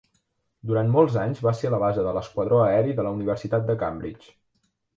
Durant molts anys va ser la base de l'esquadró aeri de la Universitat de Cambridge.